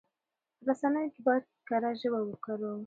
په رسنيو کې بايد کره ژبه وکاروو.